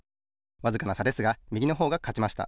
わずかなさですがみぎのほうがかちました。